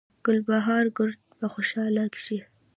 ګلبهاره ګړد به خوشحاله شي